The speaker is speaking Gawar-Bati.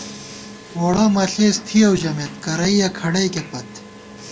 ووڑہ مَہ ݪېس تھِیَؤ ژَمېت، کرَئیَہ کھڑَئیکے پت